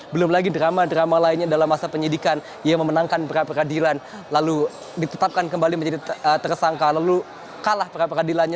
belum lagi drama drama lainnya dalam masa penyidikan ia memenangkan pra peradilan lalu ditetapkan kembali menjadi tersangka lalu kalah pra peradilannya